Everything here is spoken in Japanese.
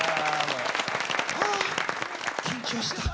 緊張した。